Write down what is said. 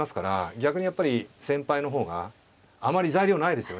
逆にやっぱり先輩の方があまり材料ないですよね。